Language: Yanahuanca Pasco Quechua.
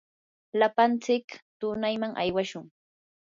lapantsik tunayman aywashun.